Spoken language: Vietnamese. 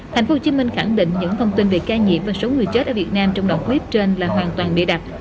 tp hcm khẳng định những thông tin về ca nhiễm và số người chết ở việt nam trong đoạn clip trên là hoàn toàn bịa đặt